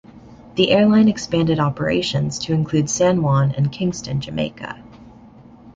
The airline expanded operations to include San Juan and Kingston, Jamaica.